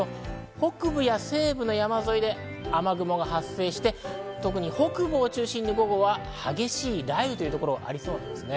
北部や西部の山沿いで雨雲が発生して、特に北部を中心に午後は激しい雷雨というところがありそうです。